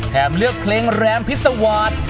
เลือกเพลงแรมพิษวาส